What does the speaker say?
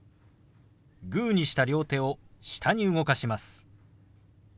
グーにした両手を下に動かします。